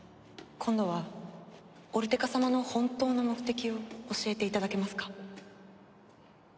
今度はオルテカ様の本当の目的を教えていただけますか？